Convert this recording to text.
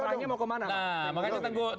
nah makanya teguh tantangan bagi pak teguh